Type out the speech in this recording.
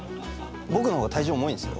僕の方が体重重いんですよ。